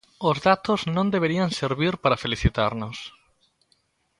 Os datos non deberían servir para felicitarnos.